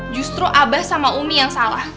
justru abah sama umi yang salah